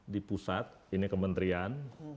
di pusat ini kementerian